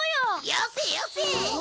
よせよせ！